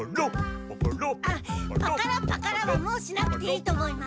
パカラパカラはもうしなくていいと思います。